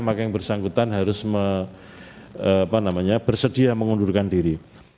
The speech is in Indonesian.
maka yang bersangkutan harus bersedia mengundurkan diri